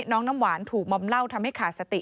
น้ำหวานถูกมอมเหล้าทำให้ขาดสติ